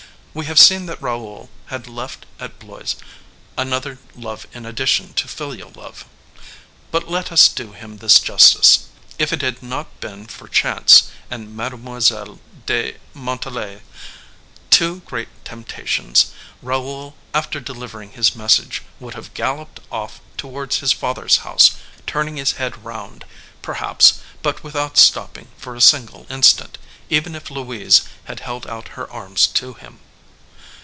We have seen that Raoul had left at Blois another love in addition to filial love. But let us do him this justice—if it had not been for chance and Mademoiselle de Montalais, two great temptations, Raoul, after delivering his message, would have galloped off towards his father's house, turning his head round, perhaps, but without stopping for a single instant, even if Louise had held out her arms to him.